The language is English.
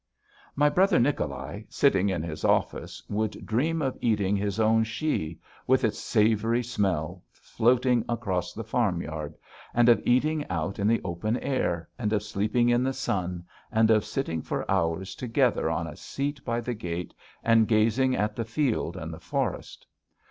"My brother Nicholai, sitting in his office, would dream of eating his own schi, with its savoury smell floating across the farmyard; and of eating out in the open air, and of sleeping in the sun, and of sitting for hours together on a seat by the gate and gazing at the field and the forest.